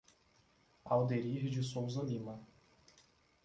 Alderir de Souza Lima